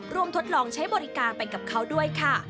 ทดลองใช้บริการไปกับเขาด้วยค่ะ